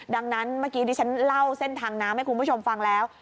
ดังนั้นเมื่อกี้ดิฉันเล่าเส้นทางน้ำให้คุณผู้ชมฟังแล้ว